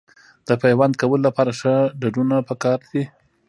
د پیوند کولو لپاره ښه ډډونه پکار دي.